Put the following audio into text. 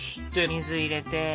水入れて。